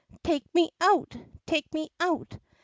Take me out! Take me out